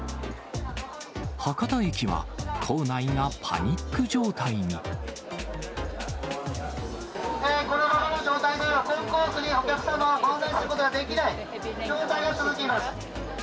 博多駅は、このままの状態では、コンコースにお客様をご案内することができない状態が続きます。